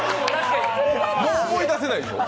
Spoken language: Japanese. もう思い出せないでしょ。